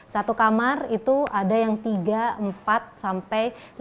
satu kamar itu ada yang tiga empat sampai lima